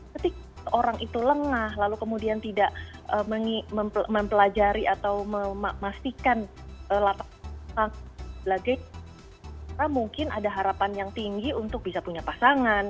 ketika orang itu lengah lalu kemudian tidak mempelajari atau memastikan latar belakang sebagai mungkin ada harapan yang tinggi untuk bisa punya pasangan